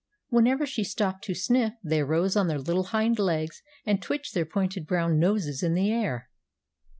Whenever she stopped to sniff they rose on their little hind legs and twitched their pointed brown noses in the air.